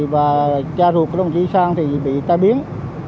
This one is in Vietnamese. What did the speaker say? và cha ruột của đồng chí sang thì bị tai biến